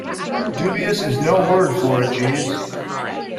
Dubious is no word for it, Jeeves.